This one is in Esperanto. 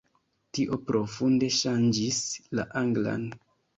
Tio profunde ŝanĝis la anglan.